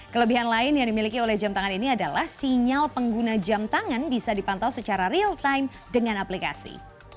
kelebihan lain yang dimiliki oleh jam tangan ini adalah sinyal pengguna jam tangan bisa dipantau secara real time dengan aplikasi